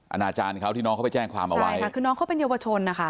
อาจารย์เขาที่น้องเขาไปแจ้งความเอาไว้ใช่ค่ะคือน้องเขาเป็นเยาวชนนะคะ